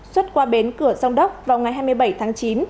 xuất qua bến cửa sông đốc vào ngày hai mươi bảy tháng chín